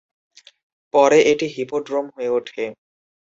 পরে এটি হিপোড্রোম হয়ে ওঠে।